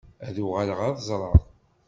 Ad uɣaleɣ ad ẓreɣ.